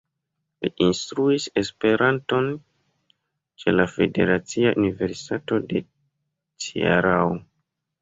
Li instruis Esperanton ĉe la Federacia Universitato de Cearao.